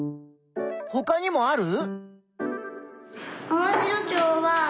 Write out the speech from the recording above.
ほかにもある？